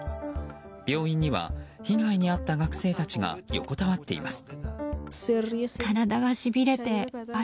病院には被害に遭った学生たちが横たわっています。